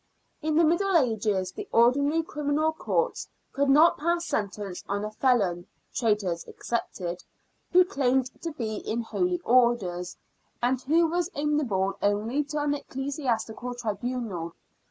In the Middle Ages the ordinary criminal courts could not pass sentence on a felon (traitors excepted) who claimed to be in Holy Orders, and who was amenable only to an ecclesiastical tribunal.